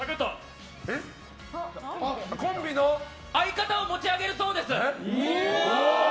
相方を持ち上げるそうです。